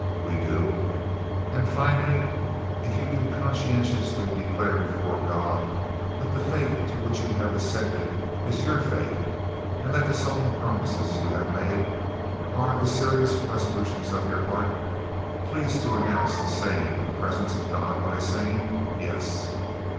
"We do." "And, finally, if you can conscientiously declare before God that the faith to which you have assented is your faith, and that the solemn promises you have made are the serious resolutions of your heart, please to announce the same in the presence of God, by saying 'Yes.